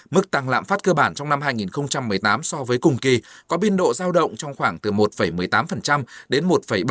mức tăng lạm phát cơ bản trong năm hai nghìn một mươi tám so với cùng kỳ có biên độ giao động trong khoảng từ một một mươi tám đến một bảy